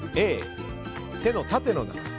Ａ、手の縦の長さ。